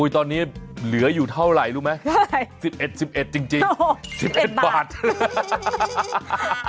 ตอนนี้เหลืออยู่เท่าไหร่รู้ไหม๑๑จริงโอ้โฮ๑๑บาทโอ้โฮโอ้โฮ